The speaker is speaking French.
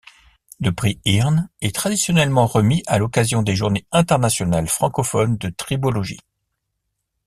Le prix Hirn est traditionnellement remis à l'occasion des Journées Internationales Francophones de Tribologie.